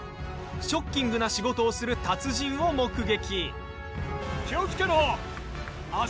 ショッキングな仕事をする達人を目撃。